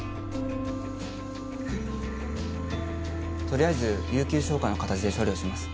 とりあえず有給消化の形で処理をします